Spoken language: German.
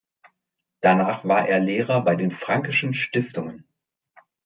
Danach war er Lehrer bei den Franckeschen Stiftungen.